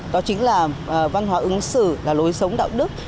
đó chính là văn hóa ứng xử là lối sống đạo đức